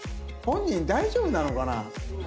本人大丈夫なのかな？